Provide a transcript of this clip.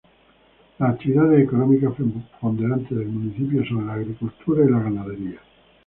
Las actividades económicas preponderantes del municipio son la agricultura y la ganadería.